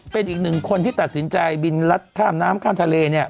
เป็นอีกหนึ่งคนที่ตัดสินใจบินรัดข้ามน้ำข้ามทะเลเนี่ย